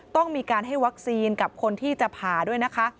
ต้องมีการให้วัคซีนกับคนที่จะผ่าด้วยนะคะ